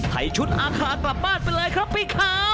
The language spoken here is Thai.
ให้ชุดอาคากลับบ้านไปเลยครับพี่ค้า